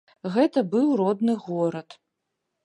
Гэта быў родны горад.